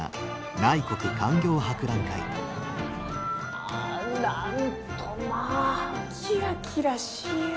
はあなんとまあキラキラしゆう！